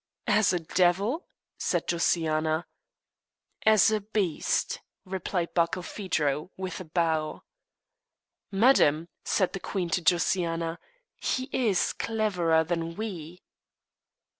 "As a devil?" said Josiana. "As a beast," replied Barkilphedro, with a bow. "Madam," said the queen to Josiana, "he is cleverer than we."